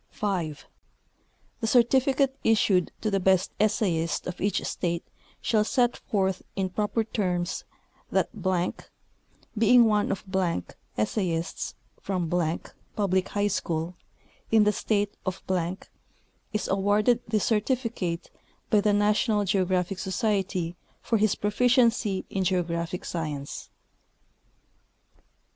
5. The certificate issued to the best essayist of each state shall set forth in proper terms that , being one of essayists from public high schools in the state' of , is awarded this certificate by the National Geographic Society for his proficiency in geographic science.